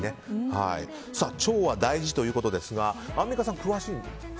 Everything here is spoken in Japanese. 腸は大事ということですがアンミカさん、詳しいんですか？